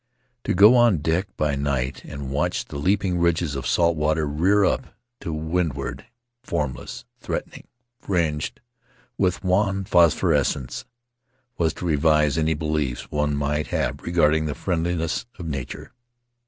To go on deck by night and watch the leaping ridges of salt water rear up to windward — formless, threatening, fringed with wan phosphorescence — was to revise any beliefs one might have had regarding the friendliness of nature.